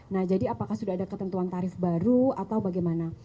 nah jadi apakah sudah ada ketentuan tarif baru atau bagaimana